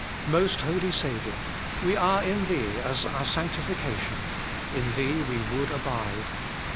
Most Holy Saviour ! we are in Thee as our sanctification : in Thee we would abide.